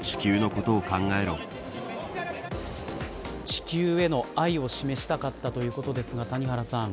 地球への愛を示したかったということですが、谷原さん